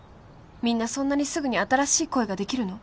みんなそんなにすぐに新しい恋ができるの？